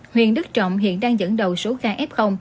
huyện đức trọng hiện đang dẫn đầu số ca f